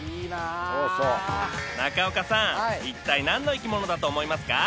一体何の生き物だと思いますか？